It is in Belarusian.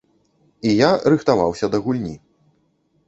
І я рыхтаваўся да гульні.